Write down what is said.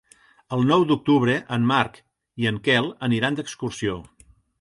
El nou d'octubre en Marc i en Quel aniran d'excursió.